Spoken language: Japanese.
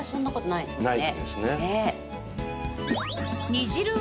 ないですね。